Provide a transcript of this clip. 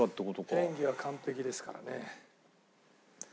演技は完璧ですからね。